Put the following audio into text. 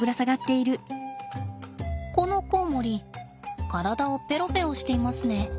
このコウモリ体をぺろぺろしていますね。